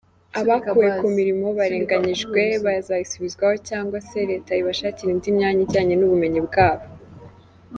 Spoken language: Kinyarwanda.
Abakuwe kumilimo barenganyijwe bazayisubizwaho cyangwa se leta ibashakire indi myanya ijyanye n’ubumenyi bwabo.